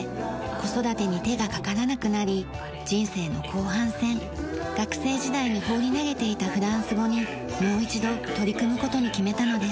子育てに手がかからなくなり人生の後半戦学生時代に放り投げていたフランス語にもう一度取り組む事に決めたのです。